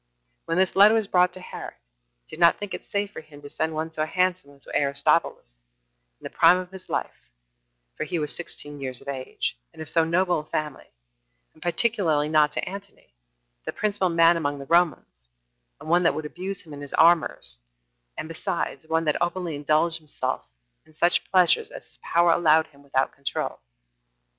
When this letter was brought to Herod, he did not think it safe for him to send one so handsome as was Aristobulus, in the prime of his life, for he was sixteen years of age, and of so noble a family, and particularly not to Antony, the principal man among the Romans, and one that would abuse him in his amours, and besides, one that openly indulged himself in such pleasures as his power allowed him without control.